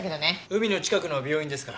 海の近くの病院ですか。